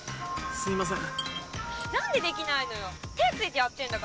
すいません。